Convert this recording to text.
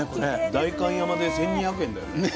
代官山で１，２００円だよね。